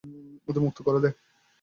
এদের মুক্ত করে দেই।